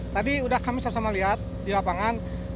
tadi sudah kami sama sama lihat di lapangan